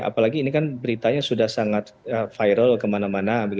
apalagi ini kan beritanya sudah sangat viral kemana mana